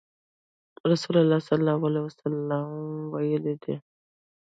رسول الله صلی الله عليه وسلم ويلي دي :